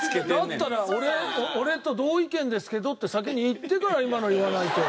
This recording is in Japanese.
だったら俺と同意見ですけどって先に言ってから今の言わないと。